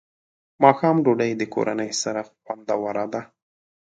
ماښام ډوډۍ د کورنۍ سره خوندوره ده.